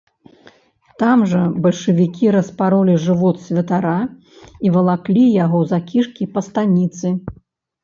Там жа бальшавікі распаролі жывот святара і валаклі яго за кішкі па станіцы.